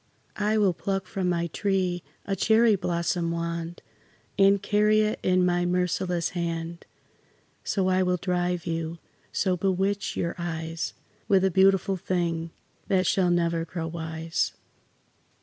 I will pluck from my tree a cherry blossom wand, And carry it in my merciless hand, So I will drive you, so bewitch your eyes, With a beautiful thing that shall never grow wise.